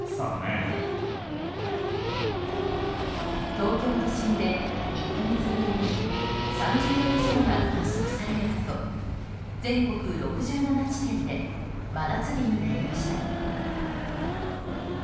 東京都心で１か月ぶりに３０度以上が観測されるなど全国６７地点で真夏日になりました。